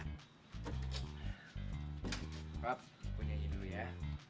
bokap punya ini dulu ya